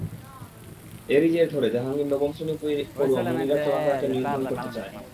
এরই জের ধরে জাহাঙ্গীর নবম শ্রেণি পড়ুয়া মনিরার চলাফেরাকে নিয়ন্ত্রণ করতে চায়।